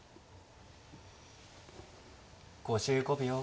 ５５秒。